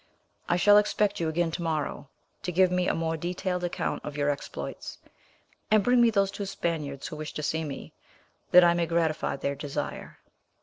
I shall expect you again to morrow to give me a more detailed account of your exploits, and bring me those two Spaniards who wish to see me, that I may gratify their desire."